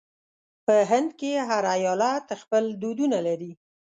په هند کې هر ایالت خپل دودونه لري.